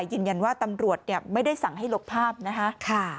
แต่ก็เรียนว่าตำรวจไม่ได้สั่งให้หลบภาพนะคะ